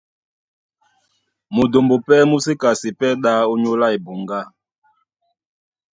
Mudumbu pɛ́ mú sí kasi pɛ́ ɗá ónyólá ebuŋgá.